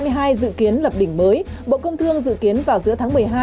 khi dự kiến lập đỉnh mới bộ công thương dự kiến vào giữa tháng một mươi hai